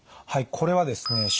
はいこれはですね